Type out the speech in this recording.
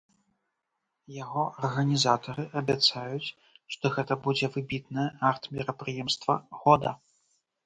Яго арганізатары абяцаюць, што гэта будзе выбітнае арт-мерапрыемства года.